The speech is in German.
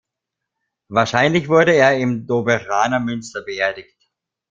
Wahrscheinlich wurde er im Doberaner Münster beerdigt.